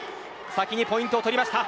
先にポイントを取りました。